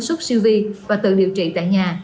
sốt siêu vi và tự điều trị tại nhà